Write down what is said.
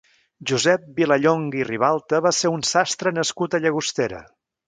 Josep Vilallonga i Ribalta va ser un sastre nascut a Llagostera.